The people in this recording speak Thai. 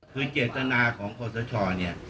คือเจตนาของคอสชเนี่ย